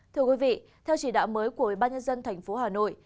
thưa quý vị theo chỉ đạo mới của bác nhân dân tp hà nội